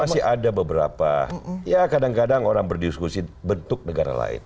masih ada beberapa ya kadang kadang orang berdiskusi bentuk negara lain